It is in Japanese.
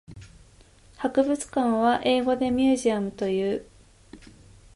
博物館は英語でミュージアムという。